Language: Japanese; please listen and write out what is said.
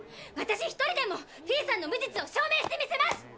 私一人でもフィーさんの無実を証明してみせます！